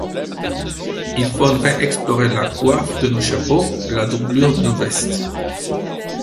il faudrait explorer la coiffe de nos chapeaux, la doublure de nos vestes